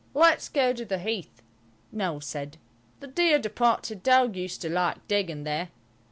"Let's go on the Heath," Noël said. "The dear departed dog used to like digging there."